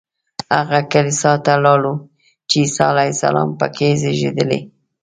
هغه کلیسا ته لاړو چې عیسی علیه السلام په کې زېږېدلی.